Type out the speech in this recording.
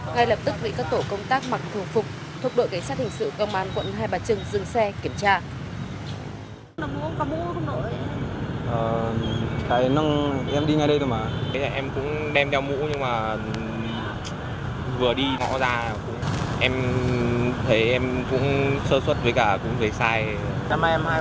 ngay lập tức bị các tổ công tác mặc thường phục thuộc đội kế sát hình sự công an tp hai bà trừng dừng xe kiểm tra